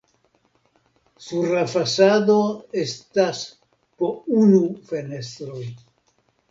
Sur la fasado estas po unu fenestroj.